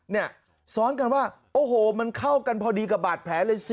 เนี่ยซ้อนกันว่าโอ้โหมันเข้ากันพอดีกับบาดแผลเลยสิ